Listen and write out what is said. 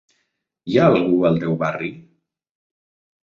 Hi ha algú al teu barri?